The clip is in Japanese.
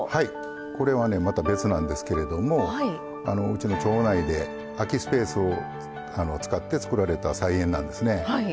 これはまた別なんですけれどもうちの町内で空きスペースを使って作られた菜園なんですね。